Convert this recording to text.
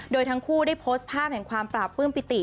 โดยทั้งคู่ได้โพสต์ภาพแห่งความปราบปื้มปิติ